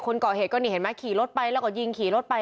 คนก่อเหตุก็นี่เห็นไหมขี่รถไปแล้วก็ยิงขี่รถไป